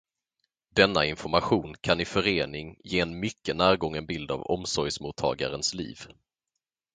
Denna information kan i förening ge en mycket närgången bild av omsorgsmottagarens liv.